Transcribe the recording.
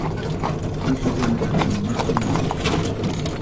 Muskun azam ma’un